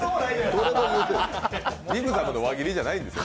ビグザムの輪切りじゃないんですよ。